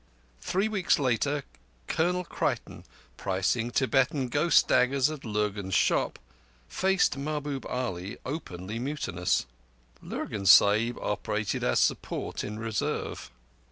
Three weeks later, Colonel Creighton, pricing Tibetan ghost daggers at Lurgan's shop, faced Mahbub Ali openly mutinous. Lurgan Sahib operated as support in reserve.